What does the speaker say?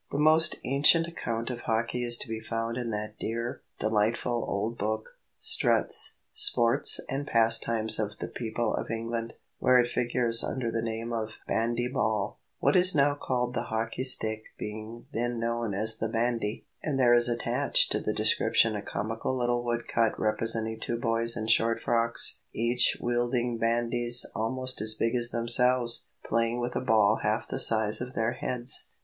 The most ancient account of hockey is to be found in that dear, delightful old book, Strutt's "Sports and Pastimes of the People of England," where it figures under the name of "bandy ball,"—what is now called the hockey stick being then known as the "bandy;" and there is attached to the description a comical little woodcut representing two boys in short frocks, each wielding bandies almost as big as themselves, playing with a ball half the size of their heads.